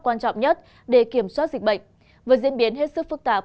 quan trọng nhất để kiểm soát dịch bệnh với diễn biến hết sức phức tạp